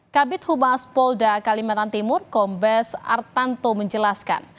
kabit humas polda kalimantan timur kombes artanto menjelaskan